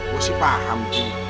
gue sih paham ji